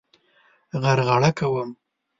غرغړه کوم.